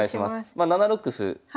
まあ７六歩。